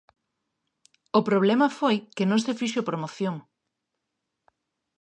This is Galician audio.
O problema foi que non se fixo promoción.